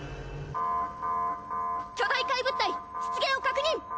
巨大怪物体出現を確認！